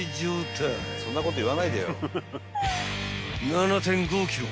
［７．５ｋｇ